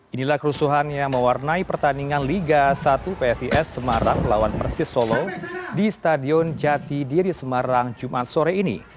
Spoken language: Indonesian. inilah kerusuhannya yang mewarnai pertandingan liga satu psis semarang lawan persis solo di stadion jatidiri semarang jumat sore ini